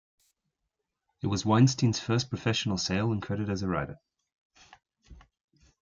It was Weinstein's first professional sale and credit as a writer.